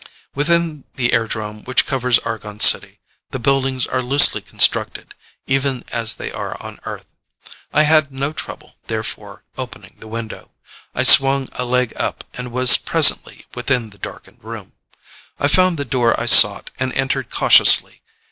Within the airdrome which covers Argon City the buildings are loosely constructed, even as they are on Earth. I had no trouble, therefore, opening the window. I swung a leg up and was presently within the darkened room. I found the door I sought and entered cautiously.